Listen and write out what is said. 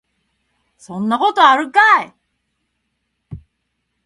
そんなことあるかい